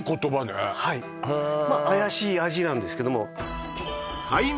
はい「怪しい味」なんですけどもへえ